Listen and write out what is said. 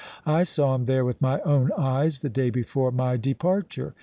I saw him there with my own eyes the day before my departure.